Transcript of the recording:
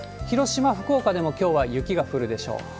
広島、福岡でもきょうは雪が降るでしょう。